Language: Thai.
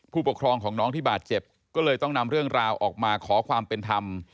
ผู้ปกครองของน้องที่บาดเจ็บก็เลยต้องนำเรื่องราวออกมาขอความเป็นธรรม